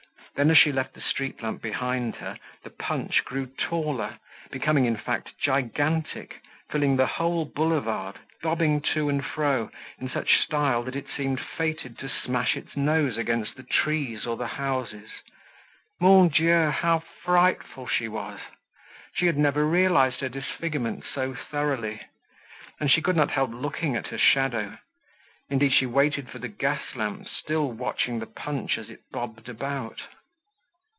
Then as she left the street lamp behind her, the Punch grew taller, becoming in fact gigantic, filling the whole Boulevard, bobbing to and fro in such style that it seemed fated to smash its nose against the trees or the houses. Mon Dieu! how frightful she was! She had never realised her disfigurement so thoroughly. And she could not help looking at her shadow; indeed, she waited for the gas lamps, still watching the Punch as it bobbed about.